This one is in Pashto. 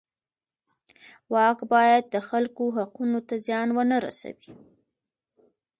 واک باید د خلکو حقونو ته زیان ونه رسوي.